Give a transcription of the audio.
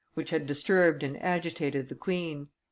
which had disturbed and agitated the queen.